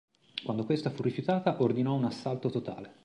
Quando questa fu rifiutata ordinò un assalto totale.